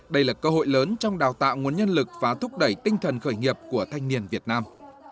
đây là cơ hội lớn trong đào tạo nguồn nhân lực và thúc đẩy tinh thần khởi nghiệp của thanh niên việt nam